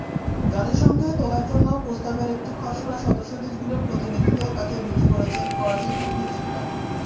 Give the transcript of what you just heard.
জাতিসংঘে তোলার জন্য প্রস্তাবের একটি খসড়া সদস্যদেশগুলোর প্রতিনিধিদের কাছে বিলি করেছেন ফরাসি কূটনীতিকেরা।